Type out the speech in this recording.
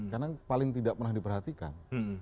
karena paling tidak pernah diperhatikan